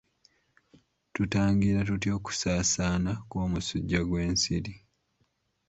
Tutangira tutya okusaasaana kw'omusujja gw'ensiri?